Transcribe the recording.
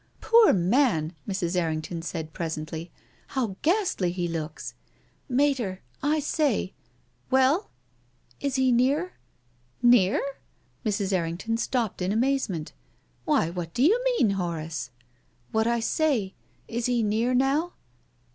" Poor man !" Mrs, Errington said presently. " How ghastly he looks !"" Mater— I say "" Well ?"" Is he near? " "Near?" Mrs. Errington stopped in amazement. "Why, what do you mean, Horace?" " What I say. Is he near now